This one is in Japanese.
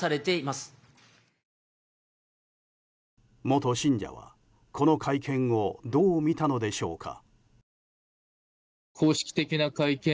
元信者はこの会見をどう見たのでしょうか。